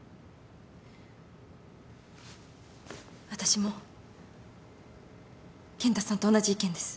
私も健太さんと同じ意見です。